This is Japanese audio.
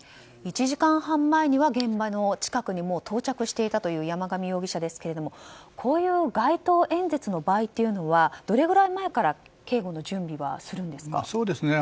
１時間半前には現場の近くに到着していたという山上容疑者ですがこういう街頭演説の場合はどれぐらい前から警護の準備はするんですか。